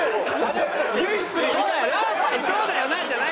そうだよな！